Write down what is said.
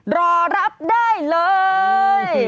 รอรับได้เลย